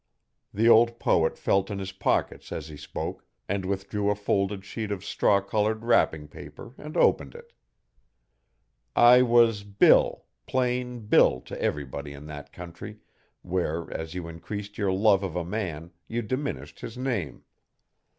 The old poet felt in his pockets as he spoke, and withdrew a folded sheet of straw coloured wrapping paper and opened it. I was 'Bill' plain 'Bill' to everybody in that country, where, as you increased your love of a man, you diminished his name.